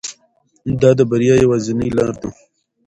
دا د بریا یوازینۍ لاره ده.